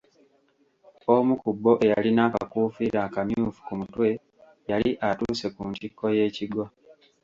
Omu ku bo eyalina akakuufiira akamyufu ku mutwe, yali atuuse ku ntikko y'ekigo.